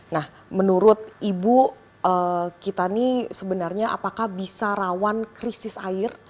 nah menurut ibu kita nih sebenarnya apakah bisa rawan krisis air